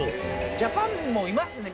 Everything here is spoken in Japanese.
ジャパンもいますね。